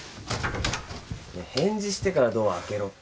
・ねえ返事してからドア開けろって。